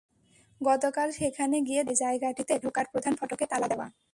গতকাল সেখানে গিয়ে দেখা যায়, জায়গাটিতে ঢোকার প্রধান ফটকে তালা দেওয়া।